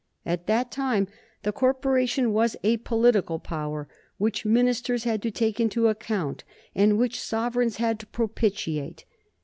At that time the Corporation was a political power, which ministers had to take into account, and which sovereigns had to propitiate.